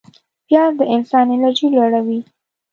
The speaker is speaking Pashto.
پیاز د انسان انرژي لوړوي